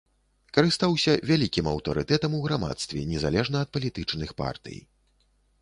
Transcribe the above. Карыстаўся вялікім аўтарытэтам у грамадстве, незалежна ад палітычных партый.